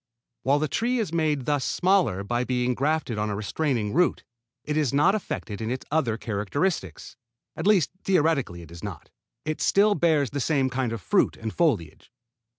While the tree is made thus smaller by being grafted on a restraining root, it is not affected in its other characteristics. At least theoretically it is not. It still bears the same kind of fruit and foliage.